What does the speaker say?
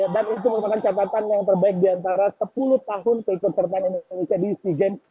dan itu merupakan catatan yang terbaik di antara sepuluh tahun kekonsertaan indonesia di si game